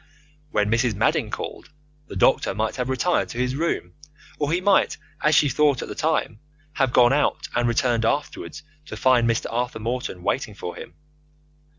When Mrs. Madding called, the doctor might have retired to his room, or he might, as she thought at the time, have gone out and returned afterwards to find Mr. Arthur Morton waiting for him.